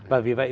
và vì vậy